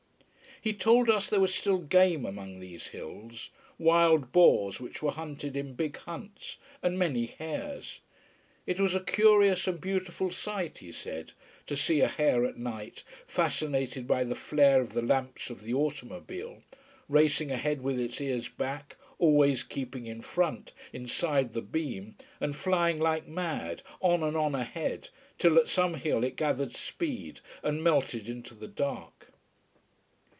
He told us there was still game among these hills: wild boars which were hunted in big hunts, and many hares. It was a curious and beautiful sight, he said, to see a hare at night fascinated by the flare of the lamps of the automobile, racing ahead with its ears back, always keeping in front, inside the beam, and flying like mad, on and on ahead, till at some hill it gathered speed and melted into the dark.